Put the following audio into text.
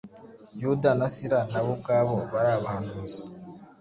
Yuda na Sira nabo ubwabo bari abahanuzi,